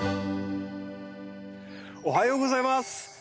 おはようございます。